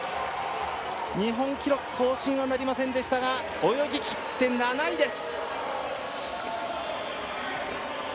日本記録更新はなりませんでしたが泳ぎきって７位です！